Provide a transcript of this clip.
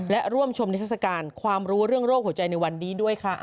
และร่วมชมนิทรศการความรู้เรื่องโรคหัวใจในวันนี้ด้วยค่ะ